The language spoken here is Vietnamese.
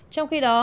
trong khi đó